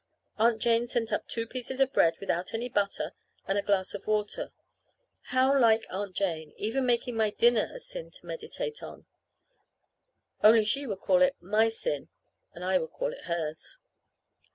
Aunt Jane sent up two pieces of bread without any butter and a glass of water. How like Aunt Jane making even my dinner a sin to meditate on! Only she would call it my sin, and I would call it hers.